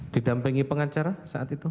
didampingi pengacara saat itu